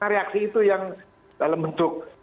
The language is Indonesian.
reaksi itu yang dalam bentuk